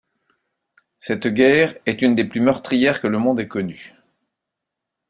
Cette guerre est une des plus meurtrières que le monde ait connu.